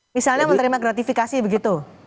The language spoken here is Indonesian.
misalnya menerima gratifikasi begitu